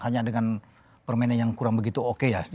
hanya dengan permainan yang kurang begitu oke ya